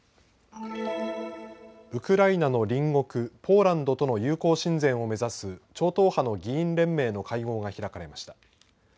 ウクライナの隣国ポーランドとの友好親善を目指す超党派の議員連盟の会合が開かれました。